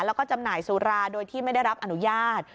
แล้วก็จำหน่ายสุราโดยที่ไม่ได้รับอนุญาต